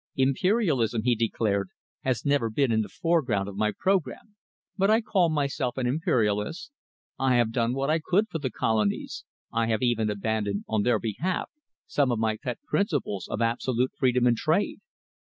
"Imperialism," he declared, "has never been in the foreground of my programme, but I call myself an Imperialist. I have done what I could for the colonies. I have even abandoned on their behalf some of my pet principles of absolute freedom in trade."